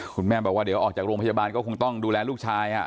คุณแม่บอกว่าเดี๋ยวออกจากโรงพยาบาลก็คงต้องดูแลลูกชาย